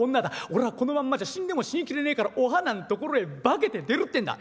俺はこのまんまじゃ死んでも死に切れねえからお花んところへ化けて出る』ってんだ。